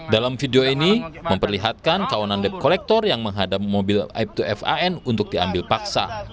dalam video ini memperlihatkan kawanan debt kolektor yang menghadang mobil aibtu fan untuk diambil paksa